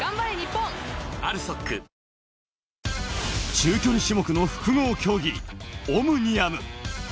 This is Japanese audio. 中距離種目の複合競技オムニアム。